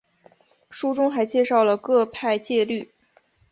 书中还介绍了各派戒律。